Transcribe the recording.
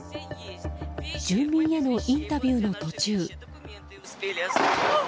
住民へのインタビューの途中。